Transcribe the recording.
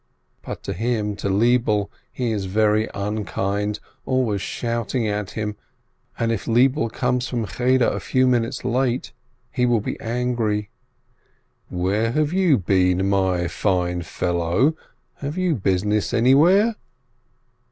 But to him, to Lebele, he is very unkind, always shout ing at him, and if Lebele comes from Cheder a few minutes late, he will be angry. "Where have you been, my fine fellow? Have you business anywhere?"